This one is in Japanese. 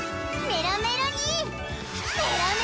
メロメロに！